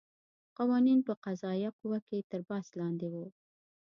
قوانین په قضایه قوه کې تر بحث لاندې وو.